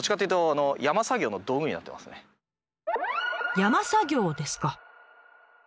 山作業ですか。